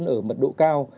ở mật độ cao